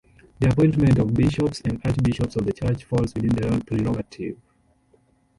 The appointment of bishops and archbishops of the Church falls within the royal prerogative.